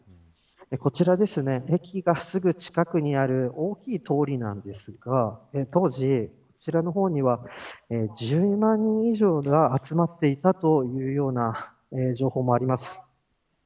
こちら、駅がすぐ近くにある大きい通りなんですが当時、こちらの方には１０万人以上が集まっていたというような情報もあります。